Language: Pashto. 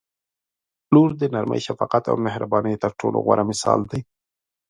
• لور د نرمۍ، شفقت او مهربانۍ تر ټولو غوره مثال دی.